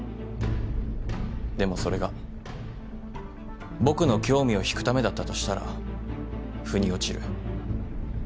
でもそれが僕の興味を引くためだったとしたらふに落ちる。